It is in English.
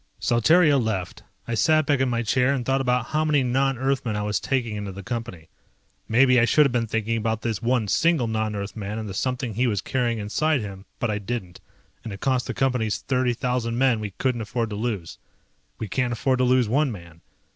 Saltario left. I sat back in my chair and thought about how many non Earthmen I was taking into the Company. Maybe I should have been thinking about this one single non Earthman and the something he was carrying inside him, but I didn't, and it cost the Companies thirty thousand men we couldn't afford to lose. We can't afford to lose one man.